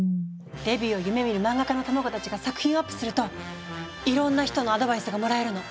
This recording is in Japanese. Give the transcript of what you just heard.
デビューを夢みるマンガ家の卵たちが作品をアップするといろんな人のアドバイスがもらえるの！